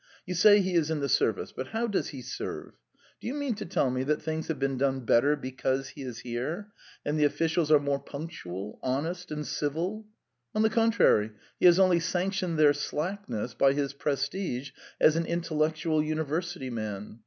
"You say he is in the service; but how does he serve? Do you mean to tell me that things have been done better because he is here, and the officials are more punctual, honest, and civil? On the contrary, he has only sanctioned their slackness by his prestige as an intellectual university man.